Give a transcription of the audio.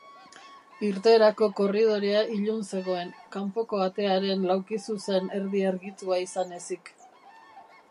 Irteerako korridorea ilun zegoen, kanpoko atearen laukizuzen erdi argitua izan ezik.